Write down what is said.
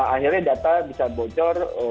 akhirnya data bisa bocor